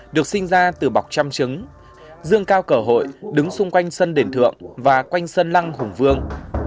được sinh ra từ bọc trăm trứng dương cao cờ hội đứng xung quanh sân đền thượng và quanh sân lăng hùng vương